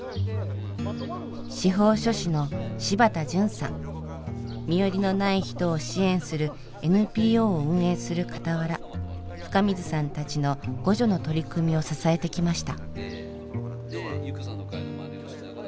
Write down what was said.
司法書士の身寄りのない人を支援するＮＰＯを運営する傍ら深水さんたちの互助の取り組みを支えてきました。